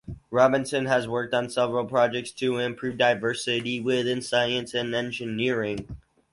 Robinson has worked on several projects to improve diversity within science and engineering.